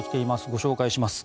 ご紹介します。